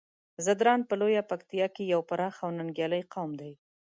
ځدراڼ په لويه پکتيا کې يو پراخ او ننګيالی قوم دی.